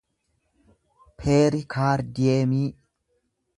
peerikaardiyeemii